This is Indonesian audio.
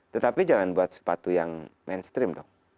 tetapi jangan buat sepatu yang mainstream dong